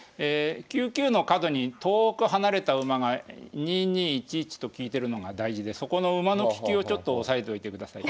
９九の角に遠く離れた馬が２二１一と利いてるのが大事でそこの馬の利きをちょっと押さえといてください。